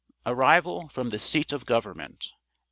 ARRIVAL FROM THE SEAT OF GOVERNMENT.